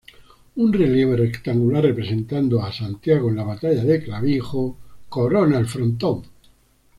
Un relieve rectangular representando a "Santiago en la batalla de Clavijo" corona el frontón.